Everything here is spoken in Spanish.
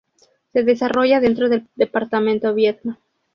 Se desarrolla dentro del Departamento Biedma.